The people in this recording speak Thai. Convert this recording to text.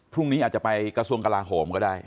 พรุ่งนี้อาจจะไปกระทรวงกลาโหมก็ได้